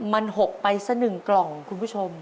มันหกไปซะหนึ่งกล่องคุณผู้ชม